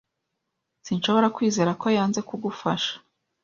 Sinshobora kwizera ko yanze kugufasha.